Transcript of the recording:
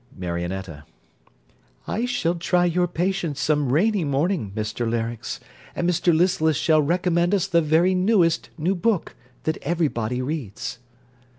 MARIONETTA I shall try your patience some rainy morning, Mr Larynx; and Mr Listless shall recommend us the very newest new book, that every body reads.